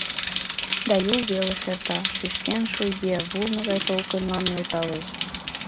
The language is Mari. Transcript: Да Юл велыш эрта, шӱшкен шуйге, вулно гай толкынлам нӧлталеш.